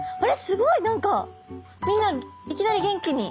すごい何かみんないきなり元気に。